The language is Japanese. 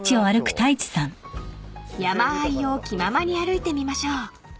［山あいを気ままに歩いてみましょう］